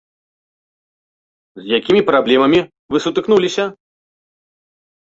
З якімі праблемамі вы сутыкнуліся?